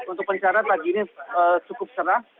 untuk pencarian pagi ini cukup cerah